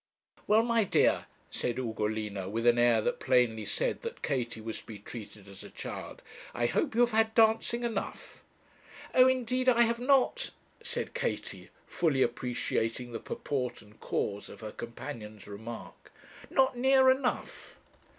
'Well, my dear,' said Ugolina, with an air that plainly said that Katie was to be treated as a child, 'I hope you have had dancing enough.' 'Oh, indeed I have not,' said Katie, fully appreciating the purport and cause of her companion's remark; 'not near enough.'